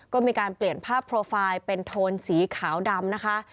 ก็มีการเปลี่ยนภาพโปรไฟล์เป็นโทนสีขาวดำนะคะ